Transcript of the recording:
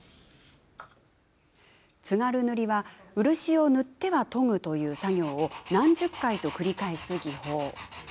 津軽塗は漆を塗っては研ぐという作業を何十回と繰り返す技法。